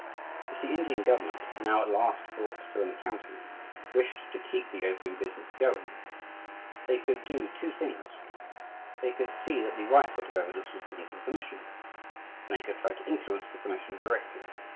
If the Indian government, now at last brought to an accounting, wished to keep the opium business going, they could do two things they could see that the "right" sort of evidence was given to the commission, and they could try to influence the commission directly.